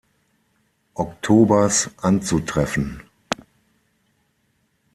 Oktobers anzutreffen.